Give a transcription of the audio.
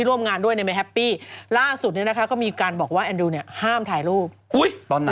อุ๊ยตอนไหนเวลาทำงานจะมาถ่ายละคร